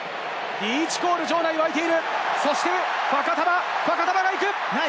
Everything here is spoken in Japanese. リーチコール、場内わいている！